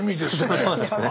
そうなんですね。